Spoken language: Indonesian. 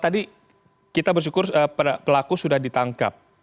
tadi kita bersyukur pelaku sudah ditangkap